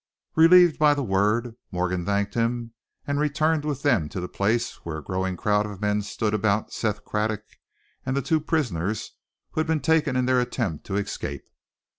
Relieved by the word, Morgan thanked him, and returned with them to the place where a growing crowd of men stood about Seth Craddock and the two prisoners who had been taken in their attempt to escape.